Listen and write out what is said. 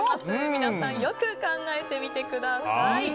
皆さん、よく考えてみてください。